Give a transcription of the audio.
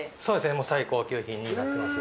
最高級品になってます。